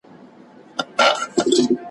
بزګر وویل که سترګي یې بینا وي `